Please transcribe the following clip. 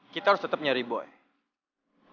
kita harus tetap nyari boy